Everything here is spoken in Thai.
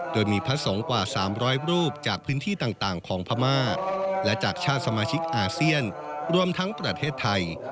โดยมีพระสงฆ์กว่า๓๐๐รูปจากพื้นที่ต่างของพม่าและจากชาติสมาชิกอาเซียนรวมทั้งประเทศไทย